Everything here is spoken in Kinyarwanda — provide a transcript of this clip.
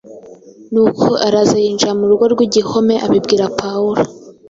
nuko araza yinjira mu rugo rw’igihome, abibwira Pawulo